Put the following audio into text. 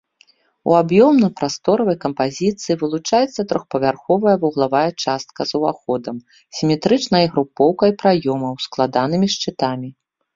У аб'ёмна-прасторавай кампазіцыі вылучаецца трохпавярховая вуглавая частка з уваходам, сіметрычнай групоўкай праёмаў, складанымі шчытамі.